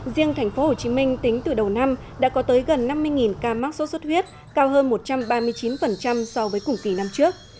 riêng tp hcm tính từ đầu năm đã có tới gần năm mươi ca mắc sốt xuất huyết cao hơn một trăm ba mươi chín so với cùng kỳ năm trước